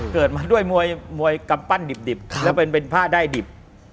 เกิดมาด้วยมวยกำปั้นดิบแล้วเป็นผ้าได้ดิบ